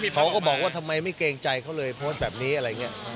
เขาก็บอกว่าทำไมไม่เกรงใจเขาเลยโพสต์แบบนี้อะไรอย่างนี้